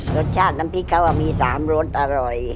รสชาติน้ำพริกเขามี๓รสอร่อย